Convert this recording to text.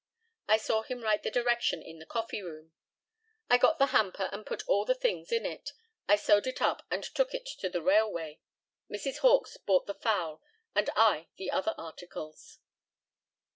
I saw him write the direction in the coffee room. I got the hamper and put all the things in it. I sewed it up and took it to the railway. Mrs. Hawkes bought the fowl, and I the other articles.